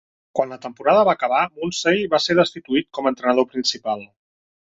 Quan la temporada va acabar, Munsey va ser destituït com a entrenador principal.